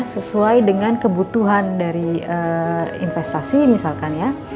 sesuai dengan kebutuhan dari investasi misalkan ya